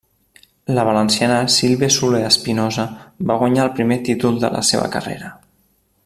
La valenciana Sílvia Soler Espinosa va guanyar el primer títol de la seva carrera.